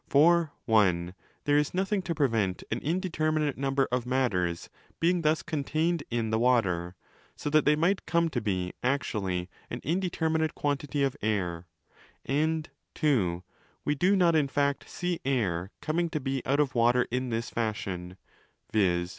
For (i) there is nothing to prevent an indeterminate number of matters being thus 'contained in' the water, so that they might come to be actually an indeterminate quantity of air ;° and (ii) we do not in fact see air coming to be out of water in this fashion, viz.